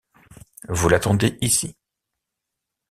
Vous l’attendez ici.